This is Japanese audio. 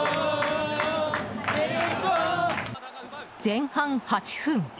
前半８分。